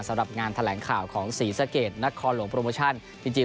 สำหรับงานแถลงข่าวของสีสาเกจนักครหลงโปรโมชั่นนจริง